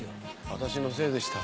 私のせいでした。